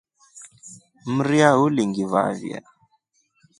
Mria ulingivavia.